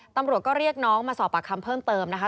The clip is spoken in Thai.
ตำรวจก็เรียกน้องมาสอบปากคำเพิ่มเติมนะคะ